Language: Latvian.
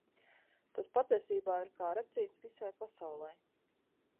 Tas patiesībā ir kā retrīts visai pasaulei.